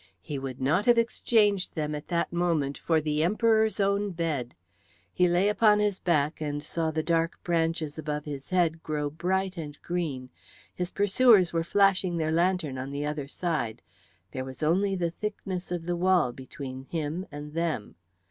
He would not have exchanged them at that moment for the Emperor's own bed. He lay upon his back and saw the dark branches above his head grow bright and green. His pursuers were flashing their lantern on the other side; there was only the thickness of the wall between him and them.